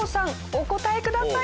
お答えください。